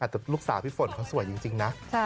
แต่ลูกสาวพี่ฝนเขาสวยจริงนะ